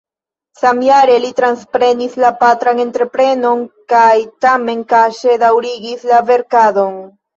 Samjare li transprenis la patran entreprenon kaj tamen kaŝe daŭrigis la verkadon.